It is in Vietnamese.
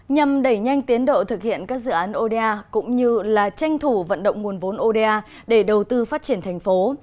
nhằm đẩy nhanh tiến độ thực hiện các dự án oda cũng như tranh thủ vận động nguồn vốn oda để đầu tư phát triển thành phố